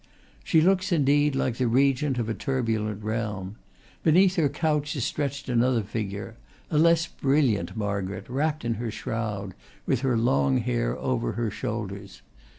She looks, indeed, like the regent of a turbulent realm. Beneath her couch is stretched another figure, a less brilliant Margaret, wrapped in her shroud, with her long hair over her shoulders.